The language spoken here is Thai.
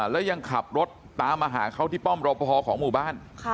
แล้วยังขับรถตามมาหาเขาที่ป้อมรอปภของหมู่บ้าน